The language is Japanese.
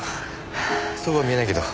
そうは見えないけど。